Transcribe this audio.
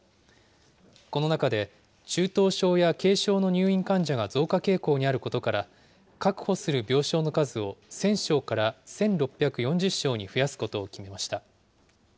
この中で、中等症や軽症の入院患者が増加傾向にあることから、確保する病床の数を１０００床から１６４０床に増やすことを決めました。